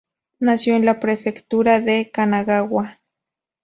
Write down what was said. Nació en la Prefectura de Kanagawa.